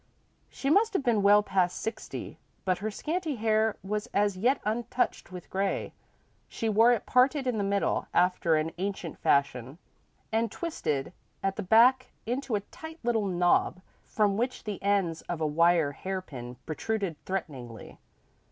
She must have been well past sixty, but her scanty hair was as yet untouched with grey. She wore it parted in the middle, after an ancient fashion, and twisted at the back into a tight little knob, from which the ends of a wire hairpin protruded threateningly.